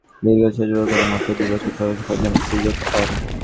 দীর্ঘ শিক্ষাজীবন শেষ করে মাত্র দুই বছর চাকরি সন্ধানের সুযোগ পান।